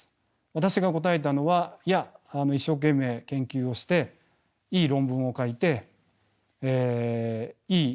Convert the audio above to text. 私が答えたのはいや一生懸命研究をしていい論文を書いていい